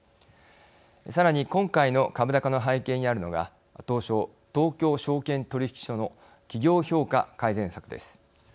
さらに今回の株高の背景にあるのが東証＝東京証券取引所の企業評価改善策です。